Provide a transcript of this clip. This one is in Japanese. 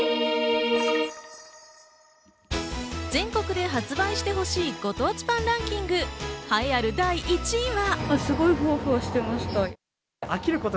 全国で発売してほしいご当地パンランキング、栄えある第１位は？